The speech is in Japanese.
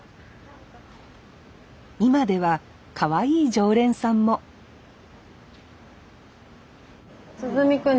今ではかわいい常連さんもつぐみくん